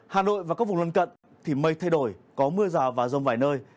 hà nội và các vùng lân cận thì mây thay đổi có mưa rào và rông vài nơi